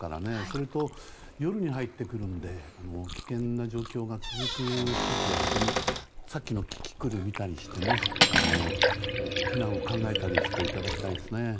それと、夜に入ってくるので危険な状況が続く地域は本当にさっきのキキクルを見たりしてね避難を考えたりしていただきたいですね。